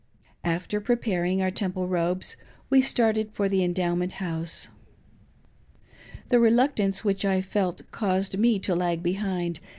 After preparing our Temple robes, we started for the Endowment House. The reluctance which I felt caused me to lag behind.'